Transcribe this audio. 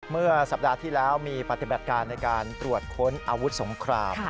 เมื่อสัปดาห์ที่แล้วมีปฏิบัติการในการตรวจค้นอาวุธสงคราม